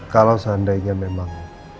kalau seandainya memang